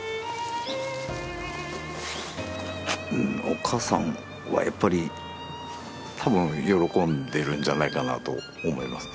お母さんはやっぱり多分喜んでいるんじゃないかなと思います。